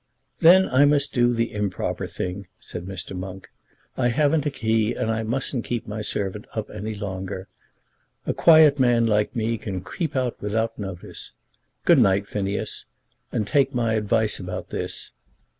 "Then I must do the improper thing," said Mr. Monk. "I haven't a key, and I musn't keep my servant up any longer. A quiet man like me can creep out without notice. Good night, Phineas, and take my advice about this.